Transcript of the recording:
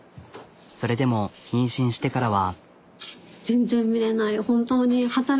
それでも妊娠してからは。